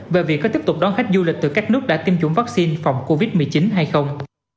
về việc có tiếp tục đón khách du lịch từ các nước đã tiêm chủng vaccine phòng covid một mươi chín hay không